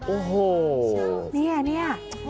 โอ้โหนี่